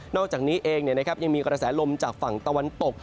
อกจากนี้เองยังมีกระแสลมจากฝั่งตะวันตก